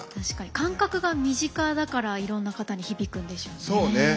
感覚が身近だからいろんな方に響くんでしょうね。